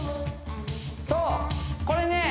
そうこれね